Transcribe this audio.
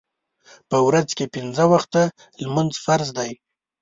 په ورځ کې پنځه وخته لمونځ فرض دی.